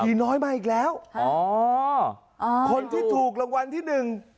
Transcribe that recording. น้อยมาอีกแล้วอ๋ออ่าคนที่ถูกรางวัลที่หนึ่ง